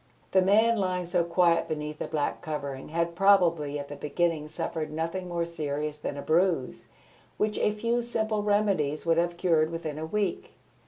That man lying so quiet beneath the black covering had probably at the beginning suffered nothing more serious than a bruise, which a few simple remedies would have cured within a week.